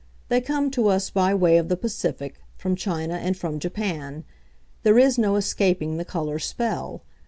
They come to us by way of the Pacific, from China and from Japan. There is no escaping the colour spell.